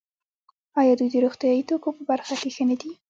آیا دوی د روغتیايي توکو په برخه کې ښه نه دي؟